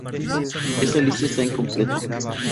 Esta lista esta incompleta.